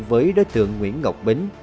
với đối tượng nguyễn ngọc bính